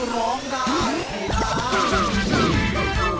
ร้องได้ให้ร้าน